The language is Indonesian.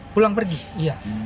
pulang pergi iya